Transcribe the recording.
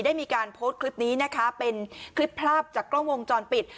ได้มีการโพสต์คลิปนี้นะคะเป็นคลิปภาพจากกล้องวงจรปิด